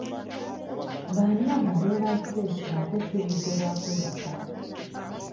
B'ani abo abeebase nga ate si budde bwa kwebaka?